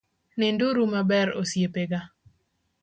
Ninduru maber osiepega